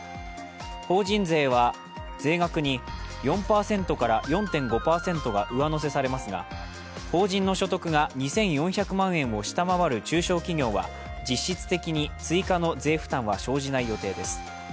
法人税は税額に４％から４．５％が上乗せされますが法人の所得が２４００万円を下回る中小企業は実質的に追加の税負担は生じない予定です。